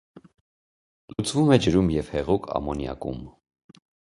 Լուծվում է ջրում և հեղուկ ամոնիակում։